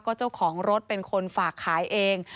เจ้าของรถเป็นคนฝากขายเอง